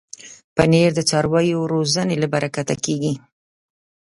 پنېر د څارویو روزنې له برکته کېږي.